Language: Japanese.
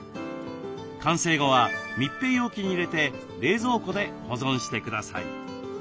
完成後は密閉容器に入れて冷蔵庫で保存してください。